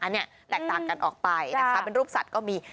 อันนี้แตกต่างกันออกไปนะคะเป็นรูปสัตว์ก็มี